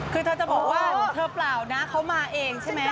คือเธอจะบอกว่าเธอเปล่านะเขามาเองใช่ไหม